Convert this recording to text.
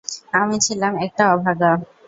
আমি ছিলাম একটা অভাগা।